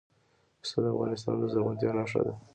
پسه د افغانستان د زرغونتیا نښه ده.